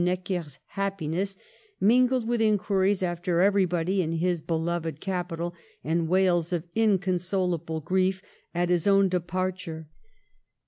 Necker's happiness, ming led with inquiries after everybody in the beloved capital, and wails of inconsolable grief at his own departure.